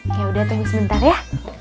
yaudah tunggu sebentar ya